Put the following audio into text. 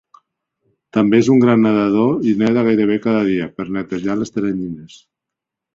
També és un gran nedador i neda gairebé cada dia "per netejar les teranyines".